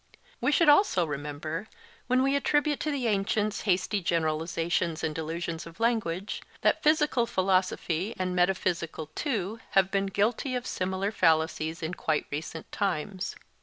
We should also remember, when we attribute to the ancients hasty generalizations and delusions of language, that physical philosophy and metaphysical too have been guilty of similar fallacies in quite recent times.